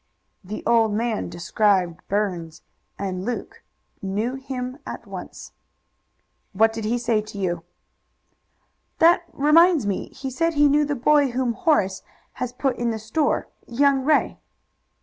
The old man described Burns, and Luke knew him at once. "What did he say to you?" "That reminds me he said he knew the boy whom Horace has put in the store young Ray."